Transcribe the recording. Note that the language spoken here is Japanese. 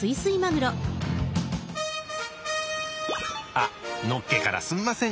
あっのっけからすんません。